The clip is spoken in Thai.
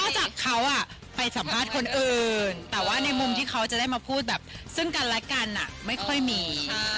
จากเขาไปสัมภาษณ์คนอื่นแต่ว่าในมุมที่เขาจะได้มาพูดแบบซึ่งกันและกันไม่ค่อยมี